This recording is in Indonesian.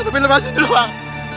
tapi lepasin dulu bang